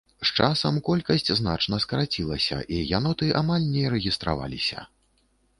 З часам колькасць значна скарацілася і яноты амаль не рэгістраваліся.